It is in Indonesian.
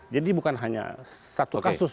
jadi bukan hanya satu kasus